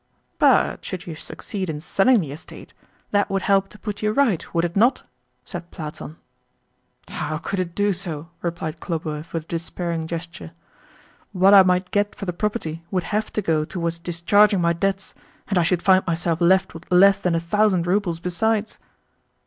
"But, should you succeed in selling the estate, that would help to put you right, would it not?" said Platon. "How could it do so?" replied Khlobuev with a despairing gesture. "What I might get for the property would have to go towards discharging my debts, and I should find myself left with less than a thousand roubles besides."